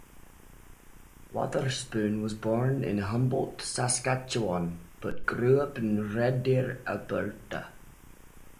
Wotherspoon was born in Humboldt, Saskatchewan, but grew up in Red Deer, Alberta.